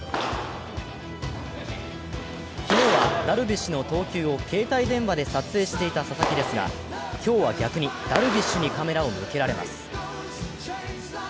昨日はダルビッシュの投球を携帯電話で撮影していた佐々木ですが、今日は逆に、ダルビッシュにカメラを向けられます。